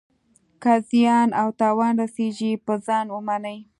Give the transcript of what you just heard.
که زیان او تاوان رسیږي پر ځان ومني.